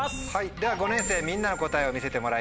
では５年生みんなの答えを見せてもらいましょう。